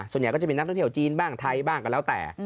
ส่วนใหญ่ก็จะมีนักท่องเที่ยวจีนบ้างไทยบ้างก็แล้วแต่